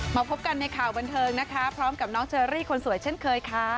มาพบกันในข่าวบันเทิงนะคะพร้อมกับน้องเชอรี่คนสวยเช่นเคยค่ะ